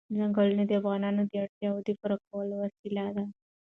ځنګلونه د افغانانو د اړتیاوو د پوره کولو وسیله ده.